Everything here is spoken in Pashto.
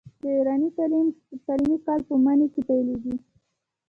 د ایران تعلیمي کال په مني کې پیلیږي.